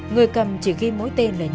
người cầm chỉ ghi mỗi tên là nhi